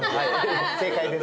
正解です。